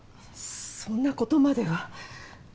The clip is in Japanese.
そんなことまでは。